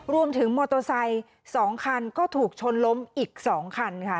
รวมถึงมอเตอร์ไซค์๒คันก็ถูกชนล้มอีก๒คันค่ะ